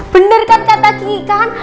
bener kan kata ki kan